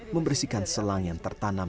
membersihkan selang yang tertanam